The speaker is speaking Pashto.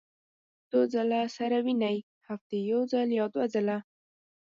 څو ځله سره وینئ؟ هفتې یوځل یا دوه ځله